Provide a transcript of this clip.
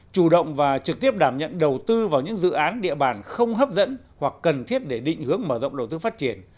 chủ động và trực tiếp đảm nhận đầu tư vào những dự án địa bàn không hấp dẫn hoặc cần thiết để định hướng mở rộng đầu tư phát triển